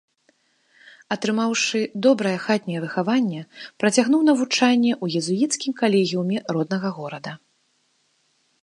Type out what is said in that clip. Атрымаўшы добрае хатняе выхаванне, працягнуў навучанне ў езуіцкім калегіуме роднага горада.